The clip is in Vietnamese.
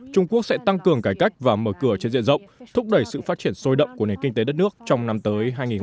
trung quốc sẽ tăng cường cải cách và mở cửa trên diện rộng thúc đẩy sự phát triển sôi động của nền kinh tế đất nước trong năm tới hai nghìn hai mươi